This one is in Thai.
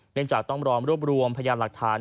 เนื่องจากต้องรอมรวบรวมพยายามหลักฐาน